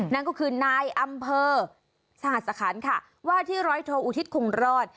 นั่นก็คือนายอำเภอสหสคันค่ะว่าที่ร้อยโทอุทิศคงรอด